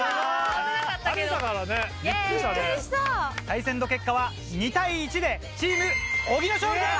・対戦の結果は２対１でチーム小木の勝利です！